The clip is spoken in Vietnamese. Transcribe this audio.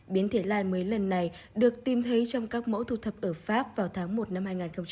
biến thể lai mới lần này được tìm thấy trong các mẫu thu thập ở pháp vào tháng một năm hai nghìn hai mươi